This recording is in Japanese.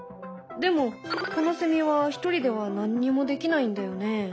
でもこのセミは一人では何にもできないんだよね。